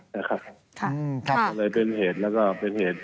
ก็เลยเป็นเหตุแล้วก็เป็นเหตุ